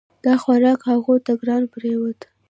دا خوراک هغوی ته ګران پریوت.